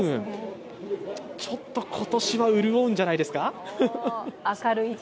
ちょっと今年は潤うんじゃないですか？